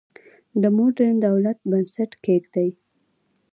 د موډرن دولت بنسټ کېږدي.